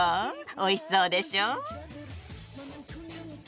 おいしそうでしょ。